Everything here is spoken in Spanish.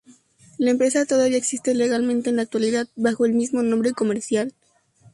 La empresa todavía existe legalmente en la actualidad bajo el mismo nombre comercial.